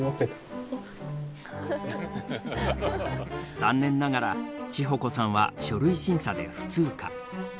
残念ながら智穂子さんは書類審査で不通過。